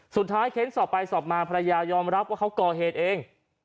เค้นสอบไปสอบมาภรรยายอมรับว่าเขาก่อเหตุเอง